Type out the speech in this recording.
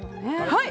はい！